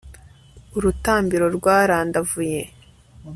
urutambiro rwarandavuye